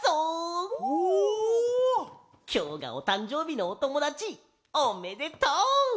きょうがおたんじょうびのおともだちおめでとう！